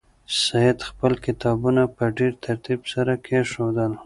سعید خپل کتابونه په ډېر ترتیب سره کېښودل.